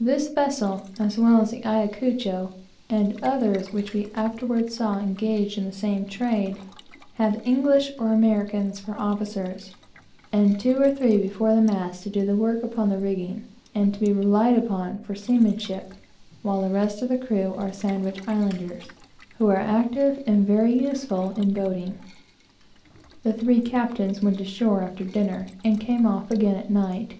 This vessel, as well as the Ayacucho, and others which we afterwards saw engaged in the same trade, have English or Americans for officers, and two or three before the mast to do the work upon the rigging, and to rely upon for seamanship, while the rest of the crew are Sandwich Islanders, who are active, and very useful in boating. The three captains went ashore after dinner, and came off again at night.